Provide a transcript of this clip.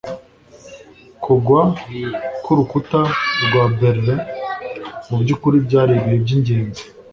kugwa kwurukuta rwa berlin mubyukuri byari ibihe byingenzi